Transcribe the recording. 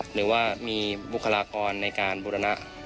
หรือว่ามีบุคลากรในการบุรณะ